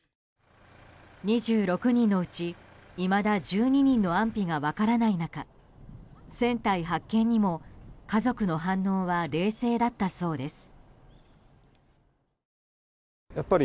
２６人のうち、いまだ１２人の安否が分からない中船体発見にも家族の反応は冷静だったそうです。